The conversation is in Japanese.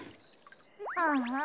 ああ。